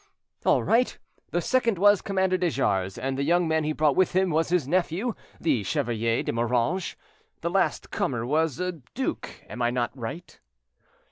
"All right. The second was Commander de Jars, and the young man he brought with him was his nephew, the Chevalier de Moranges. The last comer was a duke; am I not right?"